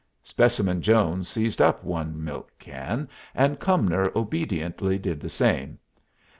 Specimen Jones seized up one milk can, and Cumnor obediently did the same.